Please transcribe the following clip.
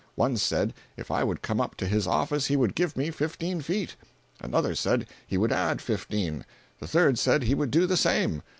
One said if I would come up to his office he would give me fifteen feet; another said he would add fifteen; the third said he would do the same.